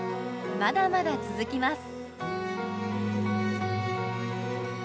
まだまだ続きます。